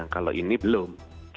kalau ini belum